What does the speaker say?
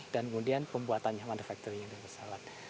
dan kemudian pembuatannya manufakturinya dari pesawat